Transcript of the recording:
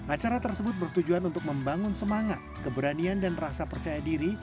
acara tersebut bertujuan untuk membangun semangat keberanian dan rasa percaya diri